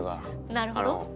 なるほど。